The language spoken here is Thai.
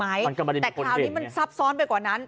แต่คราวนี้มันซับซ้อนไปกว่านั้น